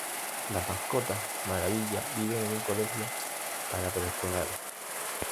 Las mascotas maravilla viven en un colegio para pre-escolares.